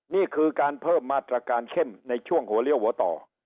นี่คือการเพิ่มมาตรการเข้มในช่วงหัวเลี้ยวหัวต่อ